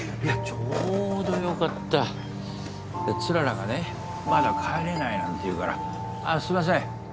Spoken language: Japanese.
ちょうどよかった氷柱がね「まだ帰れない」なんて言うからすいません